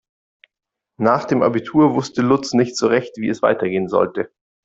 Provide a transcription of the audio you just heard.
Nach dem Abitur wusste Lutz nicht so recht, wie es weitergehen sollte.